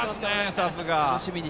さすが。